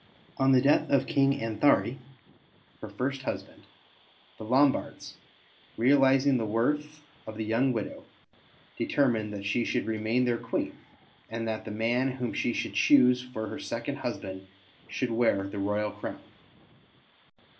On the death of King Anthari, her first husband, the Lombards, realizing the worth of the young widow, determined that she should remain their Queen, and that the man whom she should choose for her second husband should wear the royal crown.